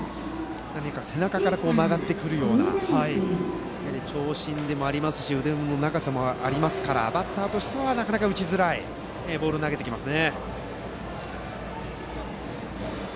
背中から曲がってくるようなやはり、長身でもありますし腕の長さもありますからバッターとしては打ちづらいボールを投げてきます。